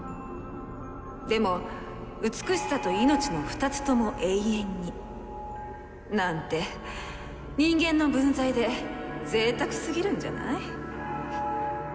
でも美しさと命の２つとも永遠になんて人間の分際で贅沢すぎるんじゃない？